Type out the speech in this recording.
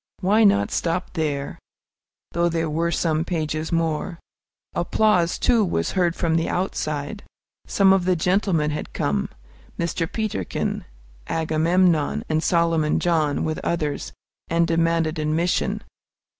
Why not stop there, though there were some pages more? Applause, too, was heard from the outside. Some of the gentlemen had come, Mr. Peterkin, Agamemnon, and Solomon John, with others, and demanded admission.